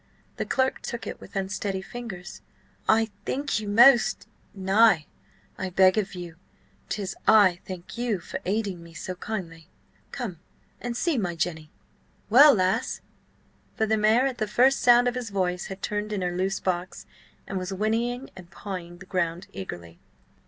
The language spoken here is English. The clerk took it with unsteady fingers. "I thank you most—" "Nay, I beg of you. 'Tis I thank you for aiding me so kindly. ... Come and see my Jenny! Well, lass?" For the mare at the first sound of his voice had turned in her loose box, and was whinnying and pawing the ground eagerly.